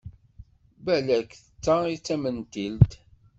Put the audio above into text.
Balak d ta i tamentilt.